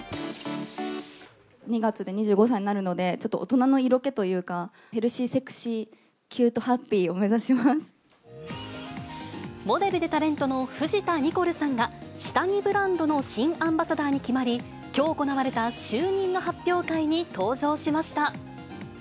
２月で２５歳になるので、ちょっと大人の色気というか、ヘルシーセクシーキュートハッピモデルでタレントの藤田ニコルさんが、下着ブランドの新アンバサダーに決まり、きょう行われた就任の発表会に登場しました。